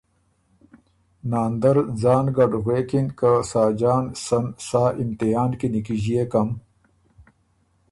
ناندر ځان ګډ غوېکِن که ساجان سن سا امتحان کی نیکیݫيېکم